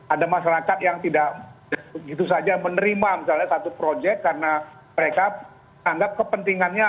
ada masyarakat yang tidak begitu saja menerima misalnya satu proyek karena mereka anggap kepentingannya